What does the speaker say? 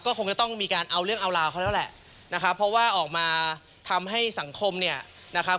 คงจะต้องมีการเอาเรื่องเอาราวเขาแล้วแหละนะครับเพราะว่าออกมาทำให้สังคมเนี่ยนะครับ